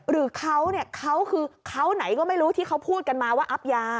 หรือเขาเนี่ยเขาคือเขาไหนก็ไม่รู้ที่เขาพูดกันมาว่าอับยา